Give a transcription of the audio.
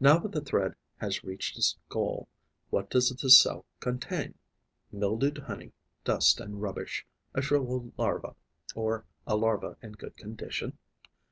Now that the thread has reached its goal, what does the cell contain? Mildewed honey, dust and rubbish, a shrivelled larva, or a larva in good condition?